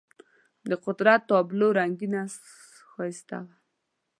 د قدرت تابلو رنګینه ښایسته وه.